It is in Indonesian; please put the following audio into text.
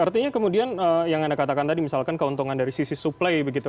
artinya kemudian yang anda katakan tadi misalkan keuntungan dari sisi suplai begitu